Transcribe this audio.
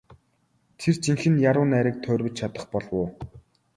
Тэр жинхэнэ яруу найраг туурвиж чадах болов уу?